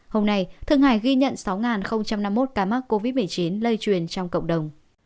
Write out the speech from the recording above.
hôm nay thượng hải ghi nhận sáu năm mươi một ca mắc covid một mươi chín lây truyền trong cộng đồng